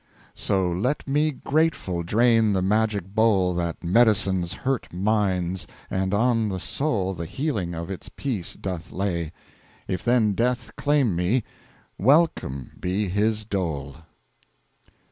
So let me grateful drain the Magic Bowl That medicines hurt Minds and on the Soul The Healing of its Peace doth lay if then Death claim me Welcome be his Dole!